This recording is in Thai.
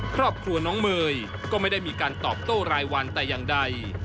ครอบครัวน้องเมย์ก็ไม่ได้มีการตอบโต้รายวันแต่อย่างใด